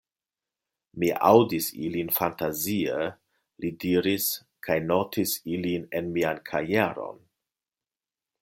Mi aŭdis ilin fantazie, li diris, kaj notis ilin en mian kajeron.